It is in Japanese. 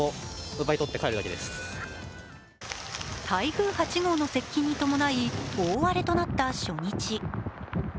台風８号の接近に伴い大荒れとなった初日。